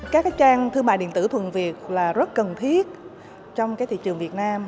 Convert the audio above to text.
các trang thương mại điện tử thuần việt là rất cần thiết trong thị trường việt nam